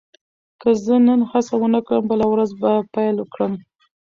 که زه نن هڅه ونه کړم، بله ورځ به پیل کړم.